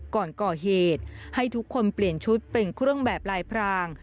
ก่อนก่อเหตุให้ทุกคนเปลี่ยนชุดเป็นเครื่องแบบลายพราง